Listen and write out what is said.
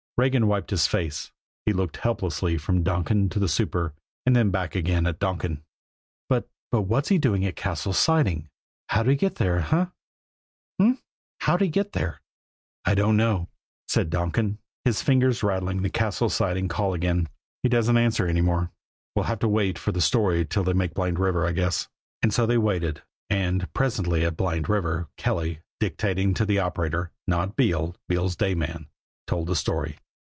Regan wiped his face. He looked helplessly from Donkin to the super, and then back again at Donkin. "But but what's he doing at Cassil's Siding? How'd he get there h'm? H'm? How'd he get there?" "I don't know," said Donkin, his fingers rattling the Cassil's Siding call again. "He doesn't answer any more. We'll have to wait for the story till they make Blind River, I guess." And so they waited. And presently at Blind River, Kelly, dictating to the operator not Beale, Beale's day man told the story.